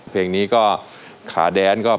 เพลงนี้ก็ขาแดนก็